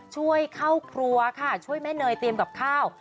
ช่วยเข้าครัวค่ะช่วยแม่เนยเตรียมกับข้าว